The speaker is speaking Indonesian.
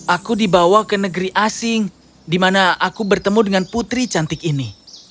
aku dibawa ke negeri asing di mana aku bertemu dengan putri cantik ini